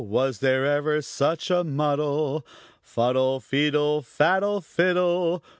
Was there ever such a muddle? Fuddle, feedle, faddle, fiddle!